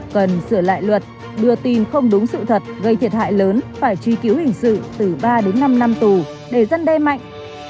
cần sửa lại luật đưa tin không đúng sự thật gây thiệt hại lớn phải truy cứu hình sự từ ba đến năm năm tù để dân đe mạnh